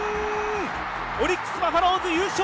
オリックス・バファローズ優勝！